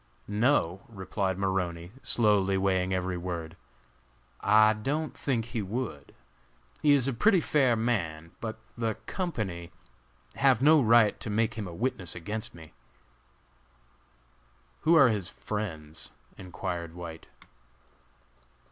"No," replied Maroney, slowly weighing every word. "I don't think he would. He is a pretty fair man; but the company have no right to make him a witness against me!" "Who are his friends?" enquired White.